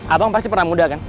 abang pasti pernah muda kan